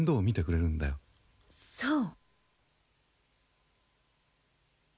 そう。